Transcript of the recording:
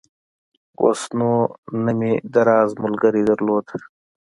اوس نو نه مې د راز ملګرى درلود.